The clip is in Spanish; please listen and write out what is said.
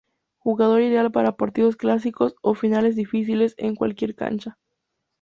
Jugador ideal para partidos clásicos o finales difíciles, en cualquier cancha.